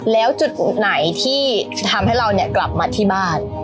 แล้วจุดไหนที่จะทำให้เราเนี่ยกลับมาที่บ้าน